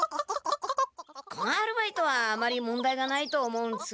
このアルバイトはあまり問題がないと思うのですが。